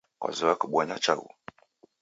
kwazoya kubonya chaghu?